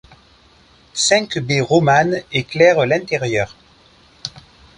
Cinq baies romanes éclairent l'intérieur.